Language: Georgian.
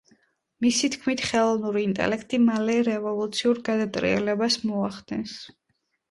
მისი თქმით, ხელოვნური ინტელექტი მალე რევოლუციურ გადატრიალებას მოახდენს.